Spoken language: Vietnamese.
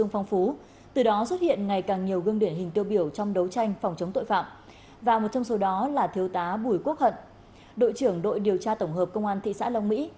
và một trong số đó là thiếu tá bùi quốc hận đội trưởng đội điều tra tổng hợp công an thị xã long mỹ